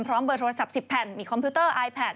พร้อมเบอร์โทรศัพท์๑๐แผ่นมีคอมพิวเตอร์ไอแพด